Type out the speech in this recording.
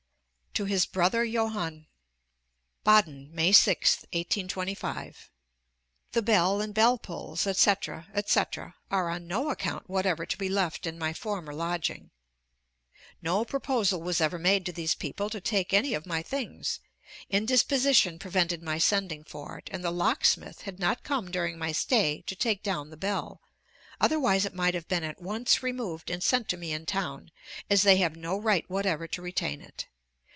TO HIS BROTHER JOHANN BADEN, May 6th, 1825. The bell and bell pulls, etc., etc., are on no account whatever to be left in my former lodging. No proposal was ever made to these people to take any of my things. Indisposition prevented my sending for it, and the locksmith had not come during my stay to take down the bell; otherwise it might have been at once removed and sent to me in town, as they have no right whatever to retain it.